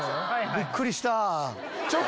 びっくりした！